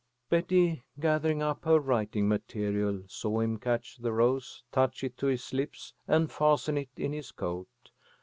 Betty, gathering up her writing material, saw him catch the rose, touch it to his lips and fasten it in his coat.